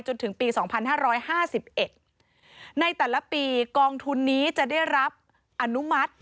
จนถึงปี๒๕๕๑ในแต่ละปีกองทุนนี้จะได้รับอนุมัติ